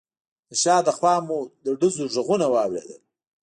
د شا له خوا مو د ډزو غږونه واورېدل.